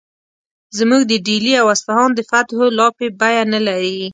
زموږ د ډیلي او اصفهان د فتحو لاپې بیه نه لري.